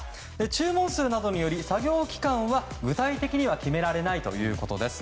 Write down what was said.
注文数などにより、作業期間は具体的には決められないということです。